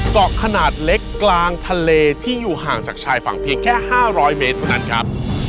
เกาะขนาดเล็กกลางทะเลที่อยู่ห่างจากชายฝั่งเพียงแค่๕๐๐เมตรเท่านั้นครับ